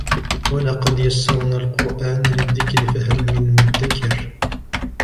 وَلَقَدْ يَسَّرْنَا الْقُرْآنَ لِلذِّكْرِ فَهَلْ مِنْ مُدَّكِرٍ